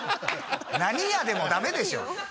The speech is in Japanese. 何屋でもダメでしょ。